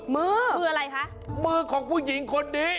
มืออรัยคะกี๊มือของหญิงคนดี